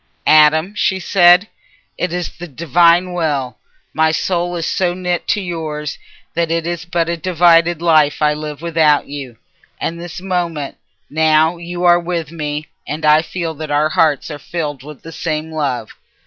"Adam," she said, "it is the Divine Will. My soul is so knit to yours that it is but a divided life I live without you. And this moment, now you are with me, and I feel that our hearts are filled with the same love.